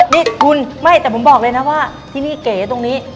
นี่คุณไม่แต่ผมบอกเลยนะว่าที่นี่เก๋ตรงนี้